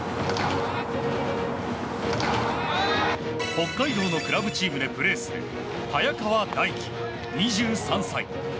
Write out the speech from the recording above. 北海道のクラブチームでプレーする早川太貴、２３歳。